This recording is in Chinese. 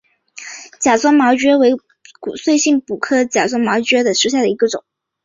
假钻毛蕨为骨碎补科假钻毛蕨属下的一个种。